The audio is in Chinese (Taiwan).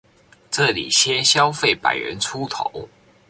這裡些消費百元出頭